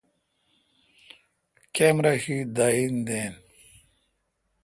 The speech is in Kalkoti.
کمرا شی داین دین۔